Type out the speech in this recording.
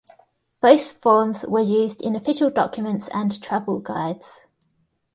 Both forms were used in official documents and travel guides.